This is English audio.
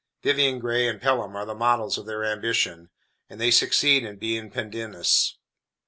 Vivian Grey and Pelham are the models of their ambition, and they succeed in being Pendennis.